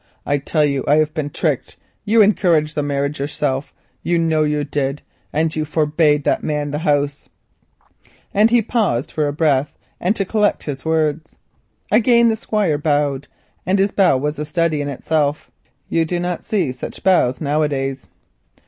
I tell you I have been tricked—you encouraged the marriage yourself, you know you did, and forbade that man the house," and he paused for breath and to collect his words. Again the Squire bowed, and his bow was a study in itself. You do not see such bows now a days.